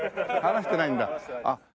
話してないです。